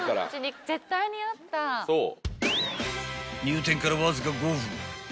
［入店からわずか５分］